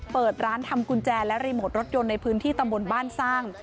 เปิดร้านทำกุญแจและรีโมทรถยนต์ในพื้นที่ตำบลบ้านสร้าง